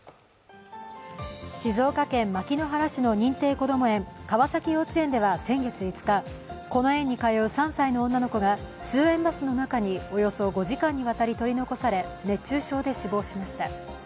静岡県牧之原市の認定こども園、川崎幼稚園では先月５日、この園に通う３歳の女の子が通園バスの中におよそ５時間にわたり取り残され熱中症で死亡しました。